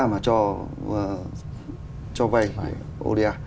mà cho vay oda